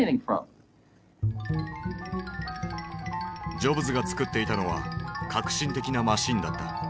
ジョブズが作っていたのは革新的なマシンだった。